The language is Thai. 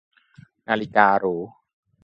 - นาฬิกาหรู